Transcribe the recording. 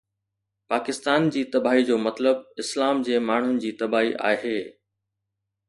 پاڪستان جي تباهي جو مطلب اسلام جي ماڻهن جي تباهي آهي.